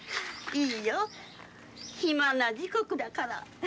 いいよ暇な時刻だから。